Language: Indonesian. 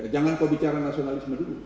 jangan kau bicara nasionalisme dulu